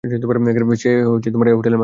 সে এ হোটেলের মালিক।